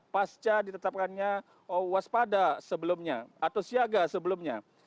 pasca ditetapkannya waspada sebelumnya atau siaga sebelumnya